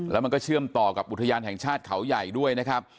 แล้วมันก็เชื่อมต่อกับอุทยานแห่งชาติเขาใหญ่ด้วยนะครับ